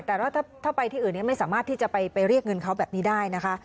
แต่ว่าถ้าไปที่อื่นไม่สามารถที่จะไปเรียกเงินเขาแบบนี้ได้นะคะ